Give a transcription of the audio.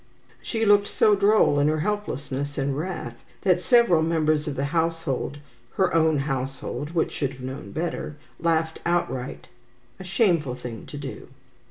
She looked so droll in her helplessness and wrath that several members of the household (her own household, which should have known better) laughed outright, a shameful thing to do.